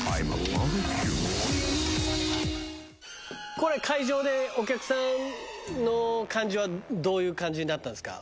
これ会場でお客さんの感じはどういう感じになったんですか？